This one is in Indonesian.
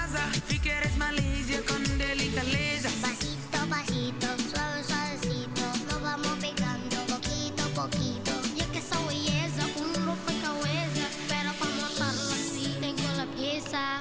yang jaga adik ada juga